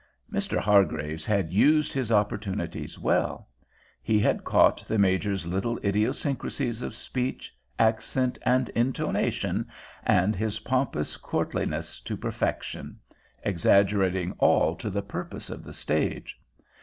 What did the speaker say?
Mr. Hargraves had used his opportunities well. He had caught the Major's little idiosyncrasies of speech, accent, and intonation and his pompous courtliness to perfection—exaggerating all to the purpose of the stage.